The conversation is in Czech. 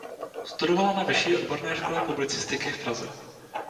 Studovala na Vyšší odborné škole publicistiky v Praze.